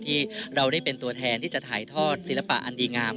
ที่เราได้เป็นตัวแทนที่จะถ่ายทอดศิลปะอันดีงาม